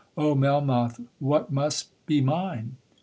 Oh Melmoth! what must be mine!